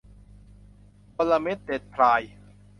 กลเม็ดเด็ดพราย